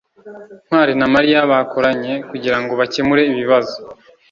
ntwali na mariya bakoranye kugirango bakemure ikibazo